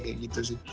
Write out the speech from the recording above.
kayak gitu sih